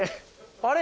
あれ？